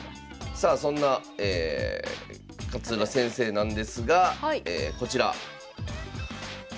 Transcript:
さあそんな勝浦先生なんですがこちら。